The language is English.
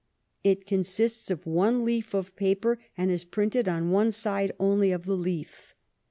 It consists of one leaf of paper, and is printed on one side only of the leaf.